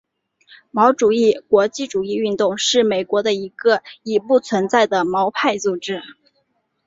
毛主义国际主义运动是美国的一个已不存在的毛派组织。